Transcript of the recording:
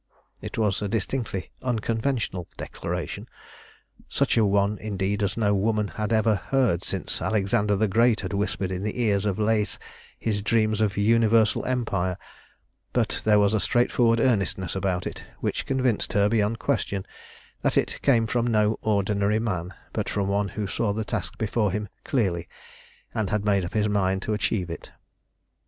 It was a distinctly unconventional declaration such a one, indeed, as no woman had ever heard since Alexander the Great had whispered in the ears of Lais his dreams of universal empire, but there was a straightforward earnestness about it which convinced her beyond question that it came from no ordinary man, but from one who saw the task before him clearly, and had made up his mind to achieve it.